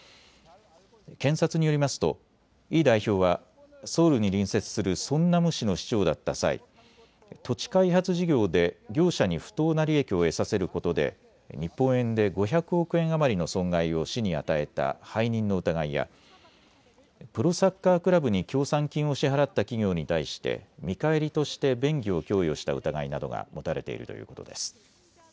検察によりますと、イ代表はソウルに隣接するソンナム市の市長だった際、土地開発事業で業者に不当な利益を得させることで日本円で５００億円余りの損害を市に与えた背任の疑いや、プロサッカークラブに協賛金を支払った企業に対して見返りとして便宜を供与した疑いなどが持たれているということです。